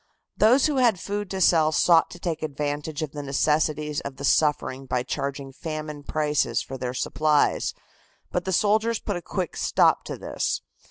Those who had food to sell sought to take advantage of the necessities of the suffering by charging famine prices for their supplies, but the soldiers put a quick stop to this.